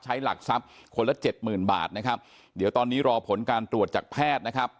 หลักทรัพย์คนละเจ็ดหมื่นบาทนะครับเดี๋ยวตอนนี้รอผลการตรวจจากแพทย์นะครับ